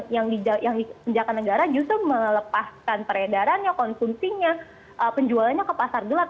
yang dikerjakan negara justru melepaskan peredarannya konsumsinya penjualannya ke pasar gelap